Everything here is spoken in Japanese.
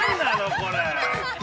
これ。